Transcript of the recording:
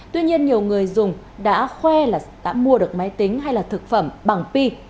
tuy nhiên nhiều người dùng đã khoe là đã mua được máy tính hay là thực phẩm bằng p